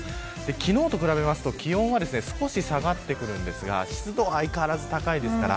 昨日と比べると気温は少し下がってくるんですが湿度は相変わらず高いです。